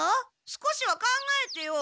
少しは考えてよ。